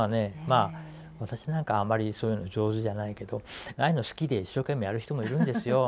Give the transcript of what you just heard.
まあ私なんかあまりそういうの上手じゃないけどああいうの好きで一生懸命やる人もいるんですよ。